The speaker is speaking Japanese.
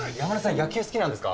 野球好きなんですか？